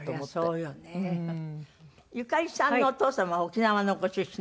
うん。ゆかりさんのお父様は沖縄のご出身の方？